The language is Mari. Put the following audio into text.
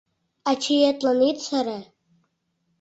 Ачиетлан ит сыре»...